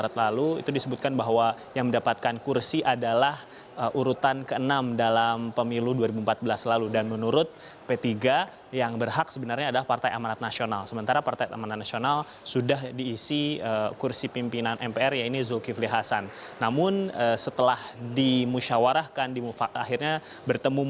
titi soeharto menjawab